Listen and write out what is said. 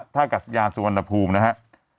กัสยานสุวรรณภูมินะครับ